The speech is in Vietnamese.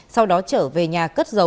sau đó trở về nhà